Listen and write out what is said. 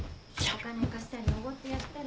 ・お金を貸したりおごってやったり。